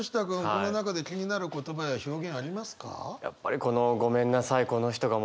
この中で気になる言葉や表現ありますか？